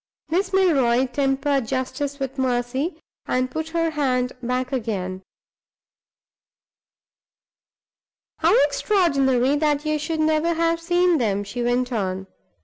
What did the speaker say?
Miss Milroy tempered justice with mercy, and put her hand back again. "How extraordinary that you should never have seen them!" she went on.